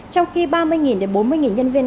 trong khi ba mươi đến bốn mươi nhân viên